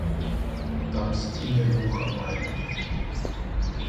Там стіни вуха мають.